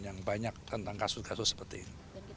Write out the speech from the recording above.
yang banyak tentang kasus kasus seperti ini